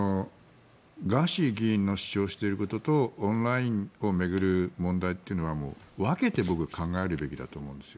ガーシー議員の主張していることとオンラインを巡る問題は分けて考えるべきだと思うんですよ。